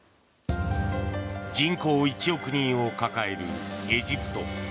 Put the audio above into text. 人口１億人を抱えるエジプト。